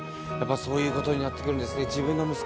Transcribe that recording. そういうことになってくるんですね。